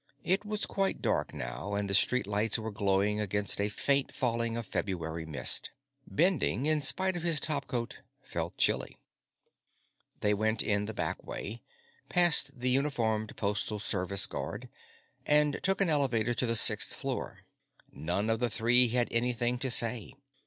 It was quite dark by now, and the street lights were glowing against a faint falling of February mist. Bending, in spite of his topcoat, felt chilly. They went in the back way, past the uniformed Postal Service guard, and took an elevator to the sixth floor. None of the three had anything to say.